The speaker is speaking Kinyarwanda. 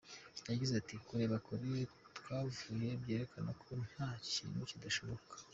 Yagize ati “Kureba kure twavuye byerekana ko nta kintu kidashoboka.